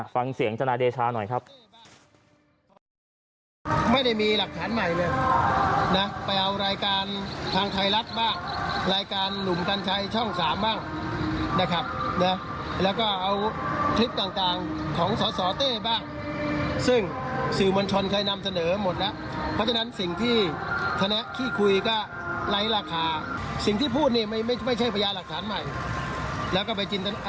ฟังเสียงจนาเดชาหน่อยครับ